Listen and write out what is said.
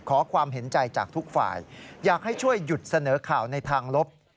ขอความเห็นใจจากทุกฝ่ายอยากให้ช่วยหยุดเสนอข่าวในทางลบ